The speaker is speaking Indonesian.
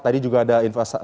tadi juga ada